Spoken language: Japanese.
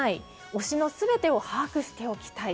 推しの全てを把握しておきたい。